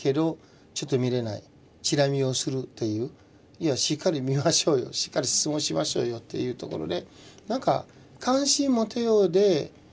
いやしっかり見ましょうよしっかり質問しましょうよっていうところで。